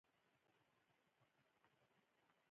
فکر مې نه کاوه چې داسې به وشي، ته کاسېره نه یې.